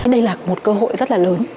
đây là một cơ hội rất lớn